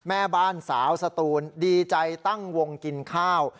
แม่บ้านสาวสตูนดีใจตั้งวงกินข้าว